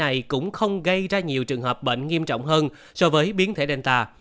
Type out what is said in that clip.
biến thể này cũng không gây ra nhiều trường hợp bệnh nghiêm trọng hơn so với biến thể delta